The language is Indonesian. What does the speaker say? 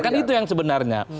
kan itu yang sebenarnya